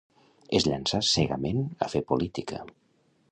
Es llançà cegament a fer política.